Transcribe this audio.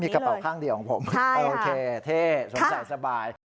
กระเป๋าข้างเดียวของผมโอเคเท่สงสัยสบาย